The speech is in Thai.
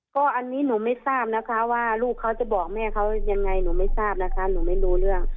ก็อันนี้หนูไม่ทราบนะคะว่าลูกเขาจะบอกแม่เขายังไงหนูไม่ทราบนะคะหนูไม่รู้เรื่อง